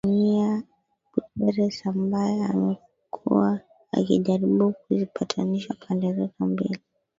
Antonio Guterres, ambaye amekuwa akijaribu kuzipatanisha pande hizo mbili